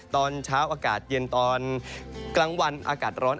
ตอนเช้าอากาศเย็นตอนกลางวันอากาศร้อน